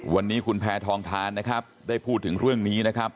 วันนี้คุณแพทองทานนะครับได้พูดถึงเรื่องนี้นะครับ